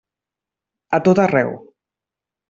A tot arreu.